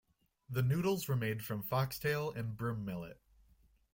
The noodles were made from foxtail and broom millet.